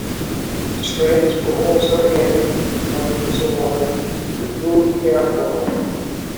Strakes were also added on the fuselage to improve airflow.